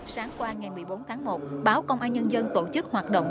sáng qua ngày một mươi bốn tháng một báo công an nhân dân tổ chức hoạt động